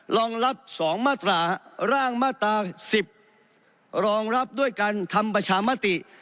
รองรับ๒มาตราร่างมาตรา๑๐รองรับด้วยการทำประชามติ